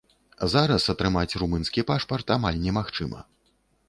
Зараз атрымаць румынскі пашпарт амаль немагчыма.